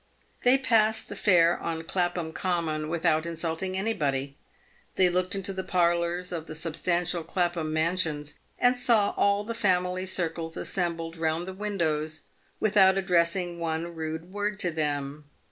They passed the fair on Clapham common with out insulting anybody; they looked into the parlours of the sub stantial Clapham mansions, and saw all the family circles assembled round the windows without addressing one rude w r ord to them.